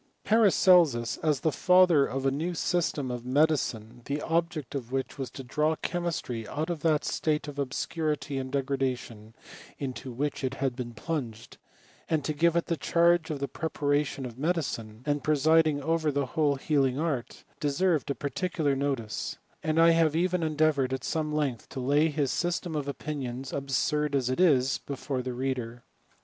'Paracelsus, as the founder of a new system of medicine, the object of which was to draw» chemistry out of that state of obscurity and degradation into which it had been plunged, and to give it the charge of the preparation of medicine, and presiding over the whole healing art, deserved a particular notice ; and I have even endeavoured, at some length, to lay his system of opinions, absurd as it is, before the reader.